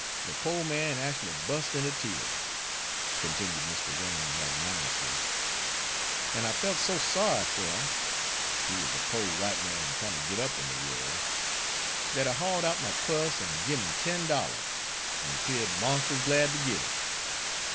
"De po' man acshully bust inter tears," continued Mr. Wain magnanimously, "an' I felt so sorry fer 'im he wuz a po' white man tryin' ter git up in de worl' dat I hauled out my purse an' gin 'im ten dollars, an' he 'peared monst'ous glad ter git it."